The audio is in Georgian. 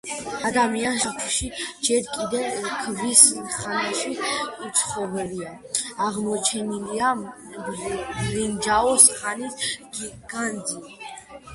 ადამიანს ჩაქვში ჯერ კიდევ ქვის ხანაში უცხოვრია, აღმოჩენილია ბრინჯაოს ხანის განძი.